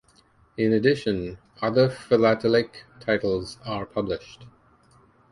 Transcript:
In addition, other philatelic titles are published.